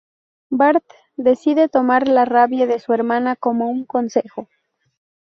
Bart decide tomar la rabia de su hermana como un consejo.